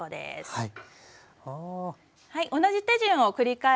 はい。